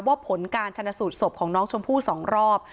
ผลการชนะสูตรศพของน้องชมพู่๒รอบ